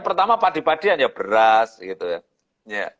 pertama padipadian ya beras gitu ya